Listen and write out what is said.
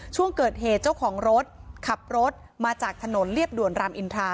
ช่วงเกิดเหตุเจ้าของรถขับรถมาจากถนนเรียบด่วนรามอินทรา